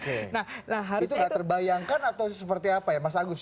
itu gak terbayangkan atau seperti apa ya mas agus